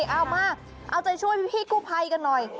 เอามาเอาใจช่วยพี่กู้ภัยกันหน่อย